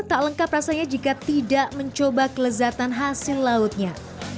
tak lengkap rasanya jika tidak mencoba kelezatan hasil lautnya